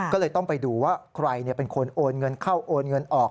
ก็เลยต้องไปดูว่าใครเป็นคนโอนเงินเข้าโอนเงินออก